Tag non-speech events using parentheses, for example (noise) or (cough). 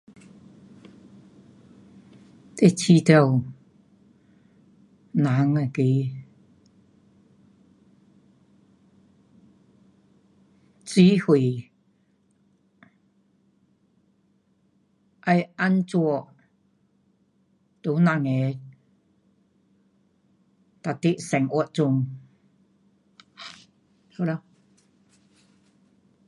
你觉得人那个 (silence) 机会要怎样在我们的每日生活中，好了。